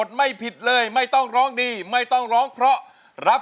ที่ไล่สวัสดีนะครับ